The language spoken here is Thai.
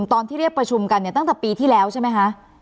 ตอนที่เรียกประชุมกันเนี่ยตั้งแต่ปีที่แล้วใช่ไหมคะ